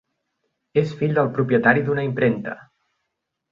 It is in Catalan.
És fill del propietari d'una impremta.